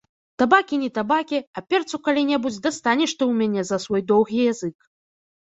Табакі не табакі, а перцу калі-небудзь дастанеш ты ў мяне за свой доўгі язык.